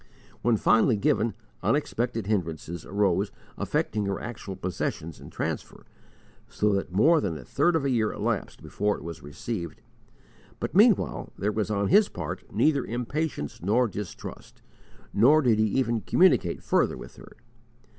When finally given, unexpected hindrances arose affecting her actual possession and transfer, so that more than a third of a year elapsed before it was received; but meanwhile there was on his part neither impatience nor distrust, nor did he even communicate further with her.